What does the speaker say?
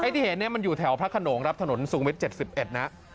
ที่เห็นมันอยู่แถวพระขนงครับถนนสูงวิทย์๗๑นะ